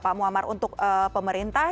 pak muammar untuk pemerintah